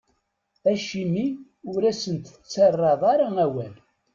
Acimi ur asent-tettarraḍ ara awal?